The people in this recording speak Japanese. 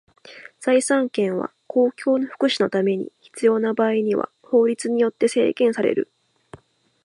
財産権は公共の福祉のために必要な場合には法律によって制限される。